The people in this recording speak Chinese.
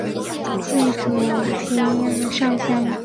郑橞祖籍清华处永福县槊山社忭上乡。